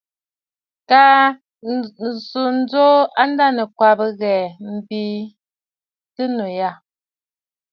Kaa ŋù à sɨ a ndanɨ̀kwabə̀ ghɛ̀ɛ̀ m̀bɨɨ tɨ ànnù.